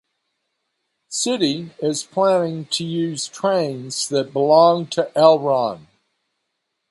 City is planning to use trains that belong to Elron.